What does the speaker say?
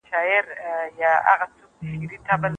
د دولت او سازمانونو ترمنځ سياسي اړيکي پېچلې دي.